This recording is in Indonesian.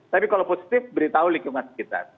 tapi kalau positif beritahu lingkungan sekitar